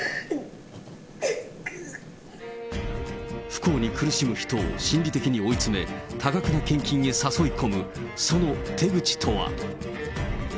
不幸に苦しむ人を心理的に追い詰め、多額の献金へ誘い込むその手口とは。